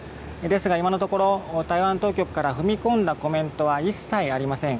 ですが今のところ台湾当局から踏み込んだコメントは一切ありません。